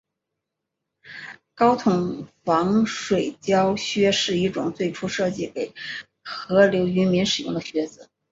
高筒防水胶靴是一种最初设计给河流渔民使用的靴子。